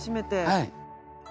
はい！